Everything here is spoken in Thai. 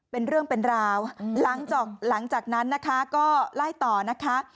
เป็นเรื่องเป็นราวหลังจากนั้นนะคะก็ไล่ต่อนะคะ